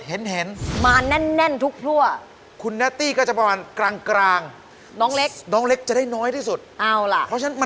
เอากลับบ้านไปเลย